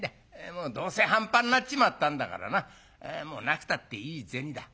もうどうせ半端になっちまったんだからなもうなくたっていい銭だ。